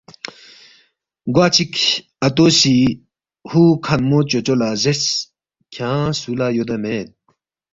گوا چِک اتو سی ہُوکھنمو چوچو لہ زیرس، کھیانگ سُو لہ یودا مید؟